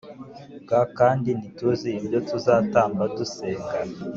g kandi ntituzi ibyo tuzatamba dusenga